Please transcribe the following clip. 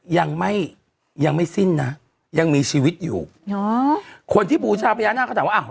ยังไม่ยังไม่สิ้นนะยังมีชีวิตอยู่หรอคนที่บูชาพญานาคเขาถามว่าอ้าว